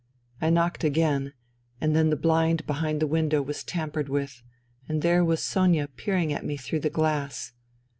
I knocked again, and then the blind behind the window w^as tampered with, and there was Sonia peering at me through the glass.